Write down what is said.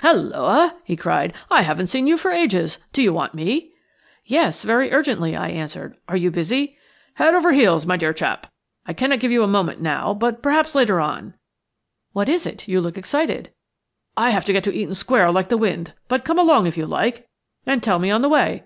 "Halloa!" he cried. "I haven't seen you for ages. Do you want me?" "Yes, very urgently," I answered. "Are you busy?" "Head over ears, my dear chap. I cannot give you a moment now, but perhaps later on." "What is it? You look excited." "I have got to go to Eaton Square like the wind, but come along, if you like, and tell me on the way."